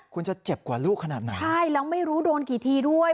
คุณจะเจ็บกว่าลูกขนาดไหนใช่แล้วไม่รู้โดนกี่ทีด้วย